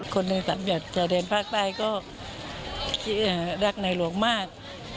คนหนึ่งที่อยากแสดงภาคใต้ก็รักนายหลวงมาก